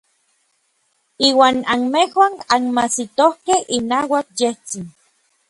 Iuan anmejuan anmajsitokej inauak yejtsin.